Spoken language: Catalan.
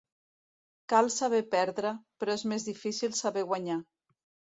Cal saber perdre, però és més difícil saber guanyar.